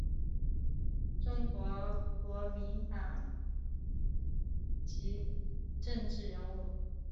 中国国民党籍政治人物。